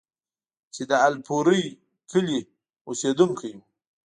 چې د الپورۍ کلي اوسيدونکی وو،